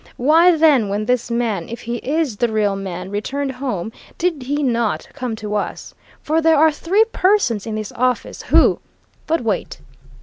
Why, then, when this man if he is the real man returned home, did he not come to us? For there are three persons in this office who but wait!"